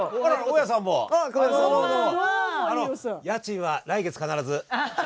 家賃は来月必ず。